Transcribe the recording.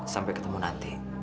sampai ketemu nanti